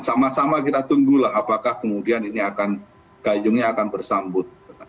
sama sama kita tunggulah apakah kemudian ini akan gayungnya akan bersambut